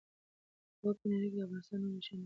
هغوی په نړۍ کې د افغانستان نوم روښانه کوي.